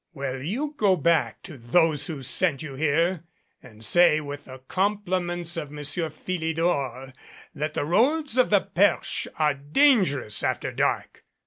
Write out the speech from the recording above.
"Well, you go back to those who sent you here and say with the compliments of Monsieur Philidor that the roads of the Perche are dangerous after dark.